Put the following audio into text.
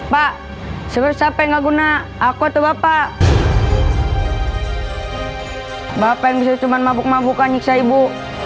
pak sebesar pengguna aku atau bapak bapak cuma mabuk mabuk anjik saibu